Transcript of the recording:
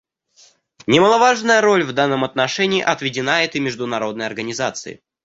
Немаловажная роль в данном отношении отведена этой международной организации.